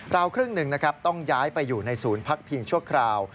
ครึ่งหนึ่งนะครับต้องย้ายไปอยู่ในศูนย์พักพิงชั่วคราว